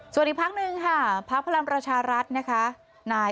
ส่วนอีกพักนึงค่ะพระพระรำราชารัฐนะคะ